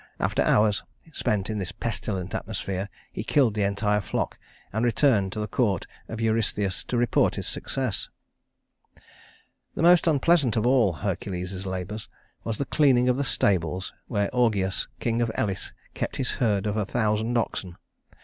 After hours spent in this pestilent atmosphere he killed the entire flock and returned to the court of Eurystheus to report his success. The most unpleasant of all Hercules's labors was the cleaning of the stables where Augeas, king of Elis, kept his herd of a thousand oxen.